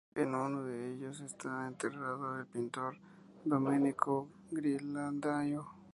En uno de ellos está enterrado el pintor Domenico Ghirlandaio.